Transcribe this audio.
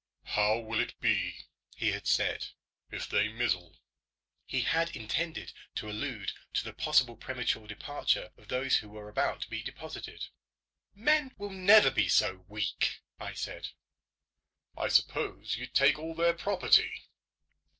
"How will it be," he had said, "if they mizzle?" He had intended to allude to the possible premature departure of those who were about to be deposited. "Men will never be so weak," I said. "I suppose you'd take all their property?"